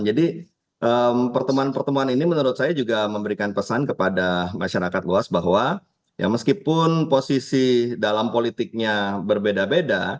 jadi pertemuan pertemuan ini menurut saya juga memberikan pesan kepada masyarakat luas bahwa ya meskipun posisi dalam politiknya berbeda beda